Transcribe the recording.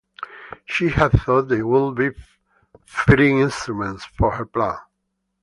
She had thought they would be fitting instruments for her plan.